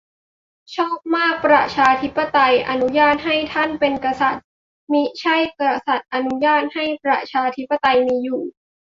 ชอบมาก " ประชาธิปไตยอนุญาตให้ท่านเป็นกษัติย์ มิใช่กษัติย์อนุญาตให้ประชาธิปไตยมีอยู่ "